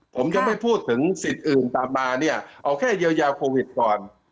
ผมจะไม่พูดถึงสิทธิ์อื่นตามมาเนี่ยเอาแค่เยียวยาโควิดก่อน